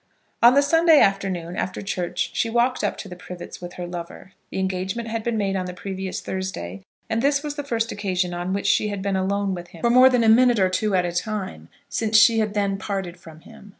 On the Sunday afternoon, after church, she walked up to the Privets with her lover. The engagement had been made on the previous Thursday, and this was the first occasion on which she had been alone with him for more than a minute or two at a time since she had then parted from him.